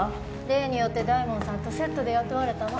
例によって大門さんとセットで雇われたの。